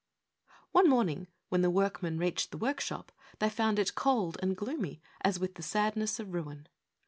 '^ O NE morning when the workmen reached the work shop they found it cold and gloomy, as with the sadness of ruin.